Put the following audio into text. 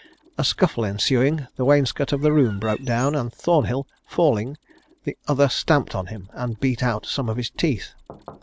A scuffle ensuing, the wainscot of the room broke down, and Thornhill falling, the other stamped on him, and beat out some of his teeth.